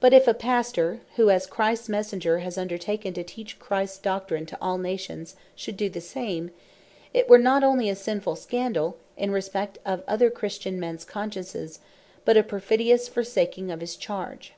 But if a Pastor, who as Christs Messenger, has undertaken to teach Christs Doctrine to all nations, should doe the same, it were not onely a sinfull Scandall, in respect of other Christian mens consciences, but a perfidious forsaking of his charge.